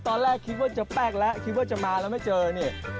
ตอนแรกคิดว่าจะแป้งแล้วคิดว่าจะมาแล้วไม่เจอนี่